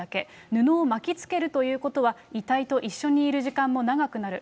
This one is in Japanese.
布を巻きつけるということは、遺体と一緒にいる時間も長くなる。